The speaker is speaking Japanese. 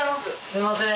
すいません